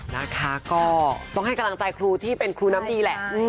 นะคะก็ต้องให้กำลังใจครูที่เป็นครูน้ำดีแหละ